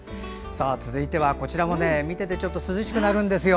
続いては、こちらも見ていて涼しくなるんですよ。